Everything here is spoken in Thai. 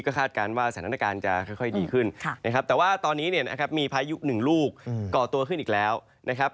คาดการณ์ว่าสถานการณ์จะค่อยดีขึ้นนะครับแต่ว่าตอนนี้เนี่ยนะครับมีพายุหนึ่งลูกก่อตัวขึ้นอีกแล้วนะครับ